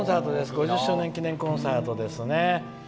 ５０周年記念コンサートです。